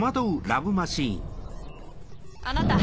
あなた